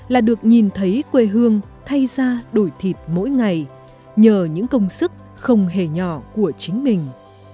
là được nhìn thấy quê hương thay ra đổi thịt mỗi ngày nhờ những công sức không hề nhỏ của chính mình